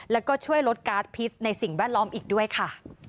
แล้วก็ช่วยลดการ์ดพิษในสิ่งแวดล้อมอีกด้วยค่ะ